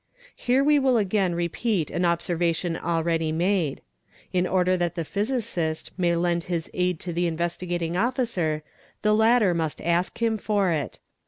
Here we will again repeat an observation already made; in order that the physicist may lend his aid to the Investigating Officer the latter must ask him for it.